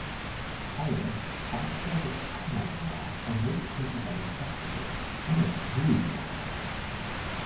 Childers veranstaltet einmal im Jahr ein multikulturelles Festival am letzten Juliwochenende.